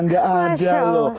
tidak ada loh